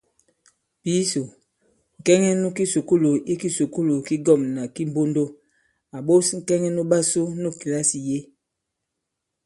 Pǐsò, ŋ̀kɛŋɛ nu kisùkulù i kisùkulù ki ŋgɔ̂mnà ki Mbondo à ɓos ŋ̀kɛŋɛ nuɓasu nu kìlasì yě.